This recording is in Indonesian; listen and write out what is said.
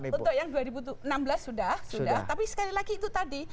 untuk yang dua ribu enam belas sudah sudah tapi sekali lagi itu tadi